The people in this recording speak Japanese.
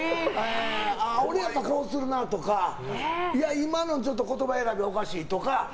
俺やったらこうするなとか今の言葉選びおかしいとか。